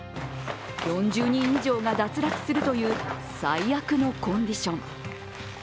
４０人以上が脱落するという最悪のコンディション。